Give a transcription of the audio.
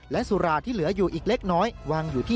และสุราที่เหลืออยู่อีกเล็กน้อย